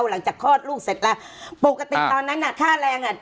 หลังจากคลอดลูกเสร็จแล้วปกติตอนนั้นน่ะค่าแรงอ่ะ